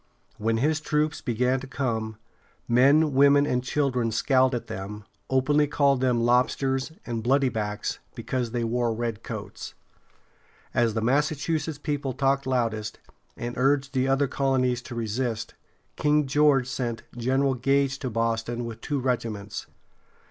When his troops began to come, men, women, and children scowled at them, openly calling them "lobsters" and "bloody backs" because they wore red coats. As the Massachusetts people talked loudest, and urged the other colonies to resist, King George sent General Gage to Boston with two regiments.